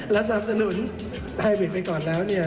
เราสนับสนุนไฮบริดไปก่อนแล้ว